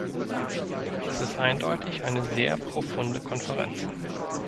Es ist eindeutig eine sehr profunde Konferenz.